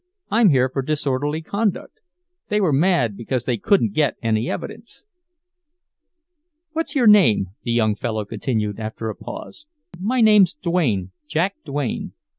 "I'm here for disorderly conduct. They were mad because they couldn't get any evidence. "What's your name?" the young fellow continued after a pause. "My name's Duane—Jack Duane.